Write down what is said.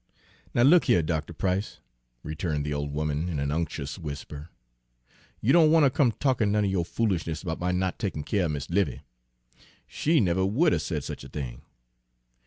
"Now look a hyuh, Doctuh Price," returned the old woman in an unctuous whisper, "you don' wanter come talkin' none er yo' foolishness 'bout my not takin' keer er Mis' 'Livy. She never would 'a' said sech a thing!